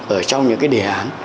ở trong những cái đề án